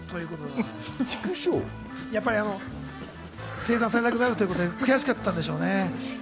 生産されなくなるということで悔しかったんでしょうね。